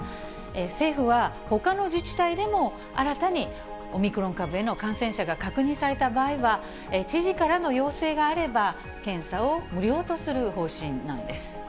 政府はほかの自治体でも、新たにオミクロン株への感染者が確認された場合は、知事からの要請があれば、検査を無料とする方針なんです。